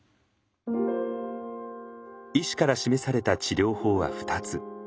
医師から示された治療法は２つ。